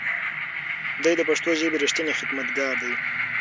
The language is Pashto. دی د پښتو ژبې رښتینی خدمتګار دی.